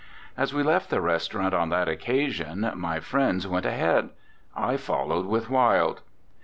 As we left the restaurant on that occa sion my friends went ahead, I followed with Wilde.